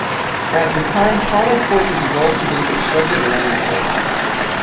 At the time, Kaunas Fortress was also being constructed around the city.